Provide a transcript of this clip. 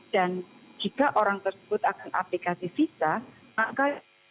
dan jika orang tersebut akan aplikasi visa maka